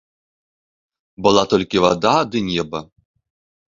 Была толькі вада ды неба.